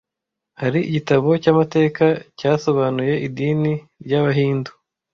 Hari igitabo cy’amateka cyasobanuye idini ry’Abahindu